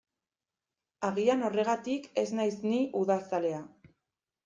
Agian horregatik ez naiz ni udazalea.